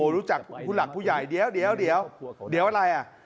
รู้จักผู้หลักผู้ใหญ่เดี๋ยวเดี๋ยวเดี๋ยวเดี๋ยวอะไรอ่ะ